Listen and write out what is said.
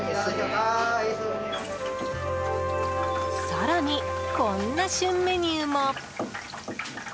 更にこんな旬メニューも。